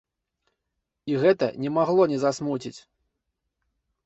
І гэта не магло не засмуціць.